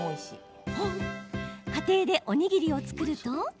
家庭で、おにぎりを作ると。